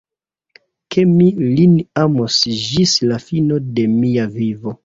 Ke mi lin amos ĝis la fino de mia vivo.